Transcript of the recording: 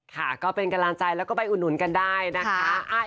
ค่ะก็เป็นกำลังใจแล้วก็ไปอุดหนุนกันได้นะคะ